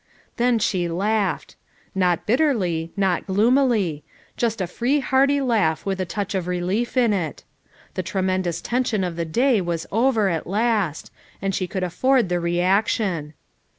Then she laughed. Not bitterly, not gloomily; just a free hearty laugh with a touch of relief in it. Tlie tremendous tension of the day was over at last, and she could afford the reaction.